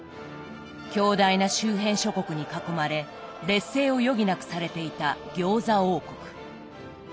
強大な周辺諸国に囲まれ劣勢を余儀なくされていた餃子王国。